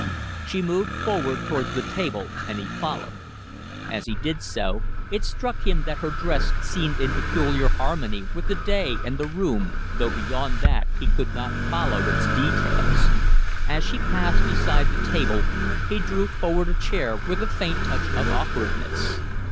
She moved forward towards the table, and he followed. As he did so, it struck him that her dress seemed in peculiar harmony with the day and the room, though beyond that he could not follow its details. As she paused beside the table he drew forward a chair with a faint touch of awkwardness.